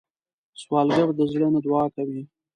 سوالګر د زړه نه دعا کوي